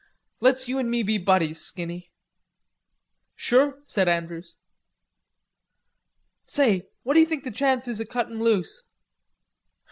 "Let's you and me be buddies, Skinny." "Sure," said Andrews. "Say, what d'you think the chance is o' cuttin' loose?"